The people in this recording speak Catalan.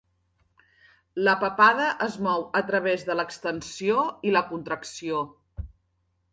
La papada es mou a través de l'extensió i la contracció.